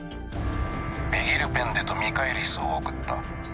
ベギルペンデとミカエリスを送った。